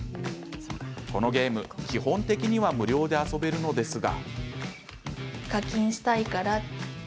このゲーム、基本的には無料で遊べるのですが。